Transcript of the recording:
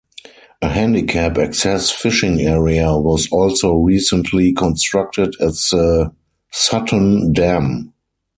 A handicap-access fishing area was also recently constructed at the Sutton Dam.